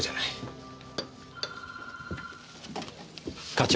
課長。